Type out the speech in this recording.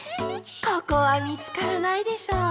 ここはみつからないでしょう。